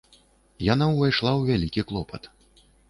Яна ўвайшла ў вялікі клопат.